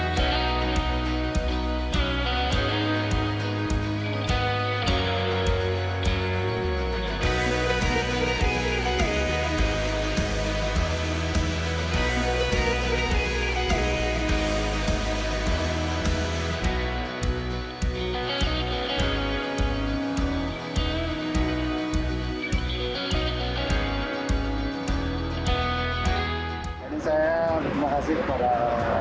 saya berterima kasih kepada